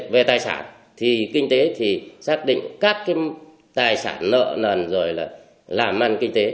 về tài sản thì kinh tế thì xác định các tài sản nợ là làm ăn kinh tế